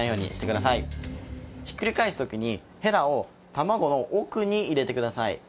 ひっくり返すときにヘラを卵の奥に入れてください